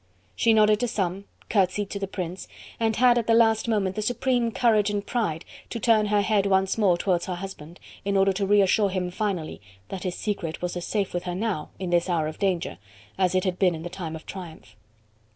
She nodded to some, curtseyed to the Prince, and had at the last moment the supreme courage and pride to turn her head once more towards her husband, in order to reassure him finally that his secret was as safe with her now, in this hour of danger, as it had been in the time of triumph.